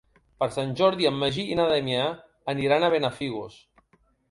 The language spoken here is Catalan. Per Sant Jordi en Magí i na Damià aniran a Benafigos.